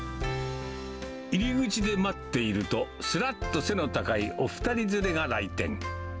入り口で待っていると、すらっと背の高いお二人連れが来店。